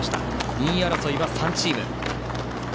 ２位争いは３チーム。